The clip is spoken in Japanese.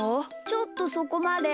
ちょっとそこまで。